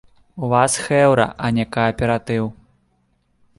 У вас хэўра, а не кааператыў!